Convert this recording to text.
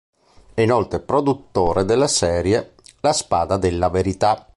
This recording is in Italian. È inoltre produttore della serie "La spada della verità".